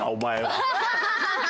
ハハハハ！